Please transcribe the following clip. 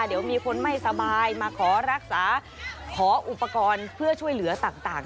เดี๋ยวมีคนไม่สบายมาขอรักษาขออุปกรณ์เพื่อช่วยเหลือต่าง